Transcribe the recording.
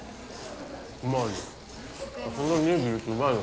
うまいよ。